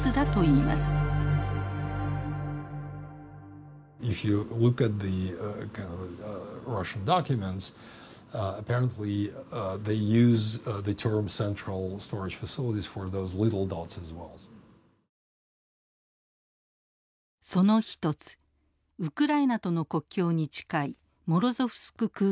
その一つウクライナとの国境に近いモロゾフスク空軍基地。